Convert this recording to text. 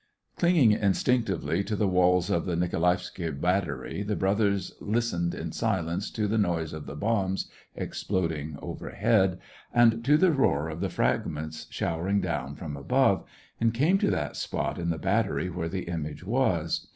Clinging instinctively to the walls of the Niko laevsky battery, the brothers listened in silence to the noise of the bombs, exploding overhead, and to the roar of the fragments, showering down from above, and came to that spot in the bat tery where the image was.